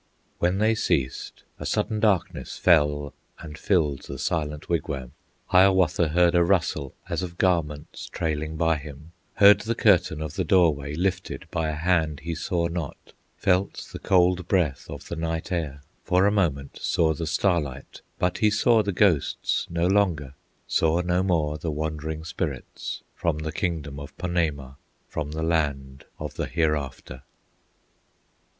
When they ceased, a sudden darkness Fell and filled the silent wigwam. Hiawatha heard a rustle As of garments trailing by him, Heard the curtain of the doorway Lifted by a hand he saw not, Felt the cold breath of the night air, For a moment saw the starlight; But he saw the ghosts no longer, Saw no more the wandering spirits From the kingdom of Ponemah, From the land of the Hereafter.